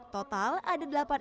total ada delapan ekor